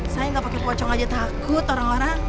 saya nggak pakai pocong aja takut orang orang